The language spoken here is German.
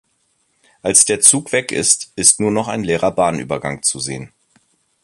Als der Zug weg ist, ist nur noch ein leerer Bahnübergang zu sehen.